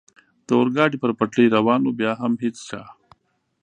د اورګاډي پر پټلۍ روان و، بیا هم هېڅ چا.